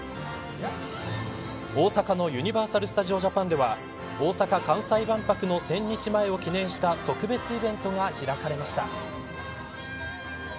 大阪のユニバーサル・スタジオ・ジャパンでは大阪・関西万博の１０００日前を記念した特別イベントが開かれました。